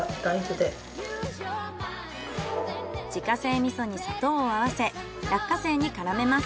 自家製味噌に砂糖をあわせ落花生に絡めます。